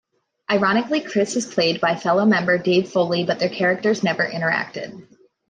Ironically, Chris is played by fellow member Dave Foley, but their characters never interacted.